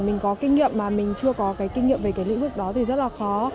mình có kinh nghiệm mà mình chưa có cái kinh nghiệm về cái lĩnh vực đó thì rất là khó